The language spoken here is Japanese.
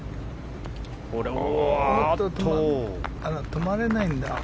止まれないんだ。